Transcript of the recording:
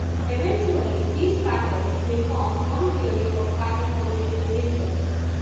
Eventually, these patterns may form one theory of pattern formation in nature.